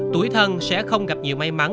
tuổi thân sẽ không gặp nhiều may mắn